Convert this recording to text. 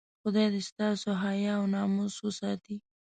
خدای دې ستاسو حیا او ناموس وساتي.